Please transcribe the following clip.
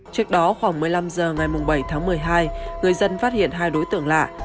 trước đó khoảng một mươi năm h ngày bảy tháng một mươi hai người dân phát hiện hai đối tượng lạ